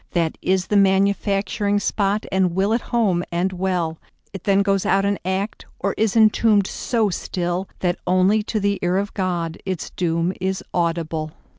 That is the manufacturing spot, And will at home and well.It then goes out an act, Or is entombed so stillThat only to the ear of GodIts doom is audible.